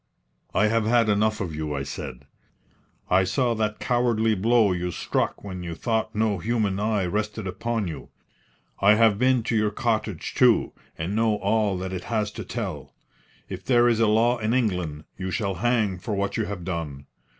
"I have had enough of you," I said. "I saw that cowardly blow you struck when you thought no human eye rested upon you. I have been to your cottage, too, and know all that it has to tell. If there is a law in England, you shall hang for what you have done.